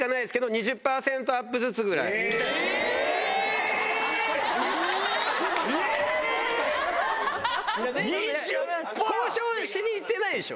２０％⁉交渉しに行ってないでしょ？